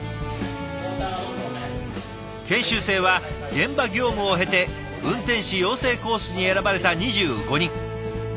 研修生は現場業務を経て運転士養成コースに選ばれた２５人。